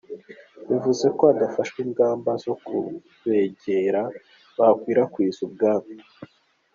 Bivuze ko hadafashwe ingamba zo kubegera bakwirakwiza ubwandu.